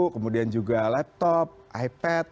kemudian juga laptop ipad